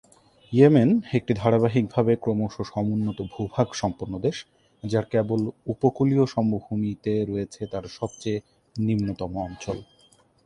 Yemen একটি ধারাবাহিকভাবে ক্রমশ সমুন্নত ভূভাগ সম্পন্ন দেশ যার কেবল উপকূলীয় সমভূমিতে রয়েছে তার সবচেয়ে নিম্নতম অঞ্চল।